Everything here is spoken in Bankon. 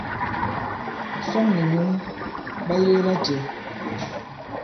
Sᴐŋ nì nyǔŋ ɓa yege lacɛ̄?